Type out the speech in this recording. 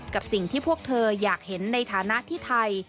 กับสิ่งที่พวกเธออยากเห็นในฐานะที่ไทย